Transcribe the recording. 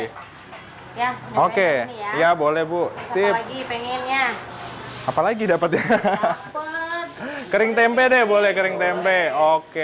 ya penyepainnya ini ya oke ya boleh bu sip apa lagi pengennya apa lagi dapatnya dapat kering tempe deh boleh kering tempe oke